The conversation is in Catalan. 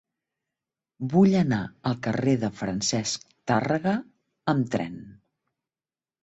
Vull anar al carrer de Francesc Tàrrega amb tren.